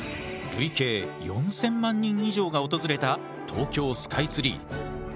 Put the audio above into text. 累計４，０００万人以上が訪れた東京スカイツリー。